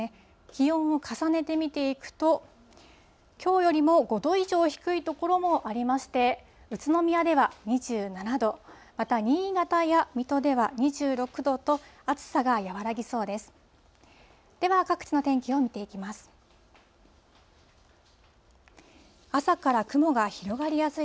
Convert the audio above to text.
気温を重ねて見ていくと、きょうよりも５度以上低い所もありまして、宇都宮では２７度、また新潟や水戸では２６度と、暑さが和らぎそうです。